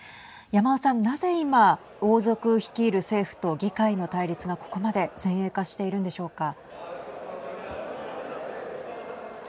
山尾さん、なぜ今王族を率いる政府と議会の対立がここまで先鋭化しているんでしょうか。